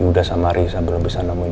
yuda dan risa belum bisa menemukan